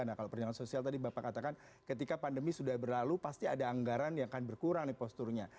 nah kalau perjalanan sosial tadi bapak katakan ketika pandemi sudah berlalu pasti ada anggaran yang akan berkurang nih posturnya